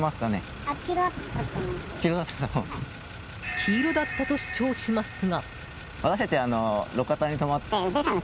黄色だったと主張しますが。